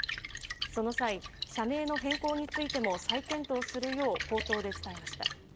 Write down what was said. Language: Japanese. その際、社名の変更についても再検討するよう口頭で伝えました。